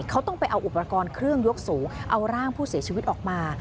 เขาต้องไปเอาอุปกรณ์เครื่องยกสูงเอาร่างผู้เสียชีวิตออกมา